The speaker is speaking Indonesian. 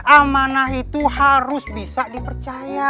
amanah itu harus bisa dipercaya